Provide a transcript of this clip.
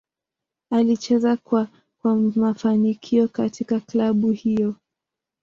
Alicheza kwa kwa mafanikio katika klabu hiyo.